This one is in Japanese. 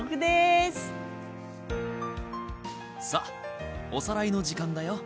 さあおさらいの時間だよ。